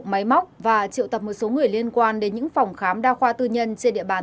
máy móc và triệu tập một số người liên quan đến những phòng khám đa khoa tư nhân trên địa bàn